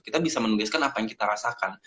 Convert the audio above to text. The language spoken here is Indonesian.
kita bisa menugaskan apa yang kita rasakan